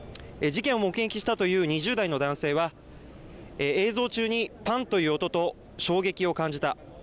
事件を目撃したという２０代の男性は映像中にパンという音と衝撃を感じた。